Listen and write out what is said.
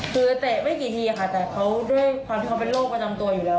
คือเตะไม่กี่ทีค่ะแต่เขาด้วยความที่เขาเป็นโรคประจำตัวอยู่แล้ว